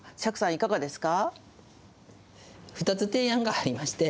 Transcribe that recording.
いかがですか。